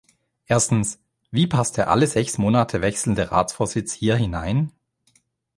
Erstens, wie passt der alle sechs Monate wechselnde Ratsvorsitz hier hinein?